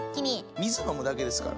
水飲むだけですから。